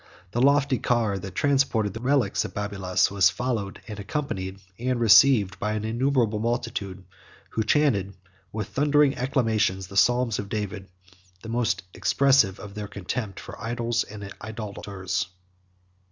The lofty car, that transported the relics of Babylas, was followed, and accompanied, and received, by an innumerable multitude; who chanted, with thundering acclamations, the Psalms of David the most expressive of their contempt for idols and idolaters.